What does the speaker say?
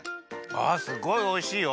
あすごいおいしいよ。